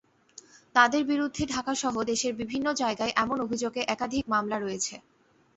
তাঁদের বিরুদ্ধে ঢাকাসহ দেশের বিভিন্ন জায়গায় এমন অভিযোগে একাধিক মামলা রয়েছে।